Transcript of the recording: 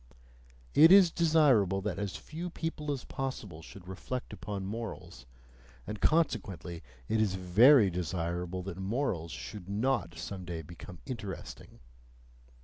It is desirable that as few people as possible should reflect upon morals, and consequently it is very desirable that morals should not some day become interesting!